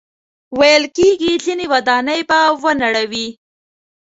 ویل کېږي ځینې ودانۍ به ونړوي.